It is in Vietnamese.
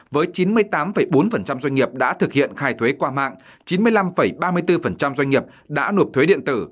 với chín mươi tám bốn doanh nghiệp đã thực hiện khai thuế qua mạng chín mươi năm ba mươi bốn doanh nghiệp đã nộp thuế điện tử